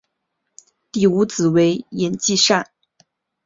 第五子为尹继善。